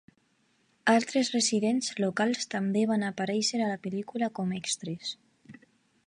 Altres residents locals també van aparèixer a la pel·lícula com extres.